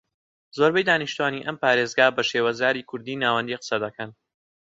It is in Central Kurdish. زۆربەی دانیشتوانی ئەم پارێزگا بە شێوەزاری کوردیی ناوەندی قسە دەکەن